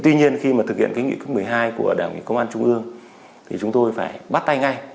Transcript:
tuy nhiên khi thực hiện nghị quyết một mươi hai của đảng công an trung ương chúng tôi phải bắt tay ngay